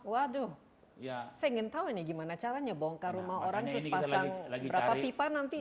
waduh saya ingin tahu nih gimana caranya bongkar rumah orang terus pasang berapa pipa nanti